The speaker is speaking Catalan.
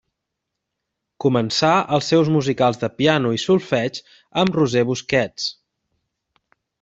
Començà els seus musicals de piano i solfeig amb Roser Busquets.